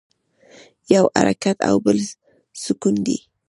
یو حرکت او بل سکون دی.